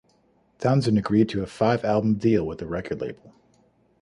Townsend agreed to a five-album deal with the record label.